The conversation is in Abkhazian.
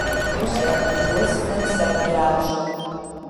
Усҟан, длыцны дцаргьы алшон.